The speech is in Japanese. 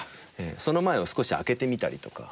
その前を少し空けてみたりとか。